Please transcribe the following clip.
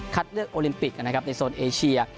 เลือกโอลิมปิกนะครับในโซนเอเชีย